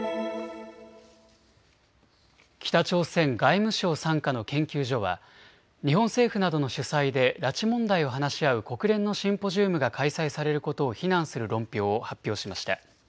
北朝鮮外務省傘下の研究所は日本政府などの主催で拉致問題を話し合う国連のシンポジウムが開催されることを非難する論評を発表しました。